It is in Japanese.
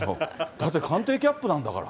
だって官邸キャップなんですから。